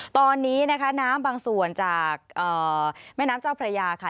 ตอนนี้นะคะน้ำบางส่วนจากแม่น้ำเจ้าพระยาค่ะ